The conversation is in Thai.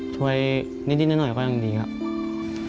ช่วยนิดหน่อยก็ยังดีครับ